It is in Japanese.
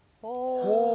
ほう。